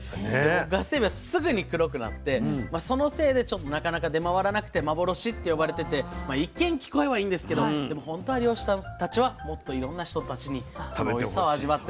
ガスエビはすぐに黒くなってそのせいでなかなか出回らなくて幻って呼ばれてて一見聞こえはいいんですけどでも本当は漁師さんたちはもっといろんな人たちにこのおいしさを味わってもらいたいと。